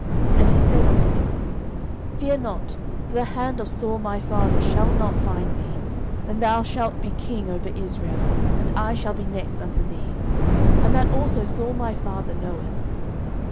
09:023:017 And he said unto him, Fear not: for the hand of Saul my father shall not find thee; and thou shalt be king over Israel, and I shall be next unto thee; and that also Saul my father knoweth.